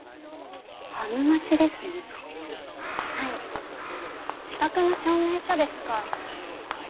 はい資格の証明書ですか。